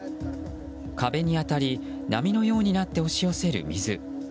壁に当たり波のようになって押し寄せる水。